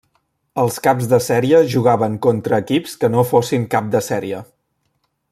Els caps de sèrie jugaven contra equips que no fossin cap de sèrie.